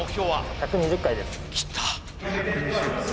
１２０回です。